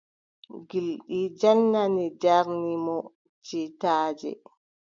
Gilɗi jannanni njarni mo cittaaje.